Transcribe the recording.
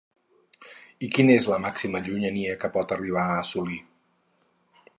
I quina és la màxima llunyania que pot arribar a assolir?